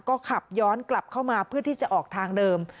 ก็ขับย้อนกลับเข้ามาเพื่อที่จะออกทางเดิม